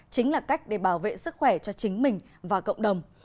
chính là cách để bảo vệ sức khỏe cho chính mình và cộng đồng